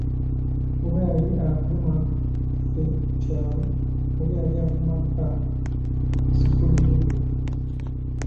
Oba yali avuma ffe kulwayo, oba yali avuma bba, ssiikulimbe.